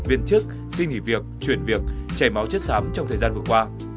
viên chức suy nghĩ việc chuyển việc chảy máu chất xám trong thời gian vừa qua